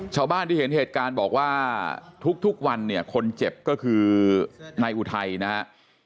ชาวบ้านที่เห็นเหตุการณ์บอกว่าทุกวันเนี่ยคนเจ็บก็คือนายอุทัยนะครับ